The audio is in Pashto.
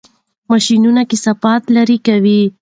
ماشینونه کثافات لرې کوي.